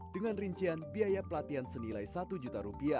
dengan rincian biaya pelatihan senilai rp satu juta